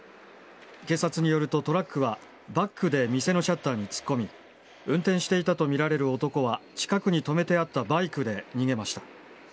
警察によると、トラックはバックで店のシャッターに突っ込み、運転していたと見られる男は、近くに止めてあったバイクで逃げました。